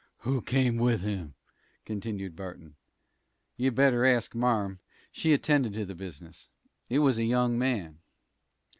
"Who came with him?" continued Barton. "You'd better ask marm. She attended to the business. It was a young man."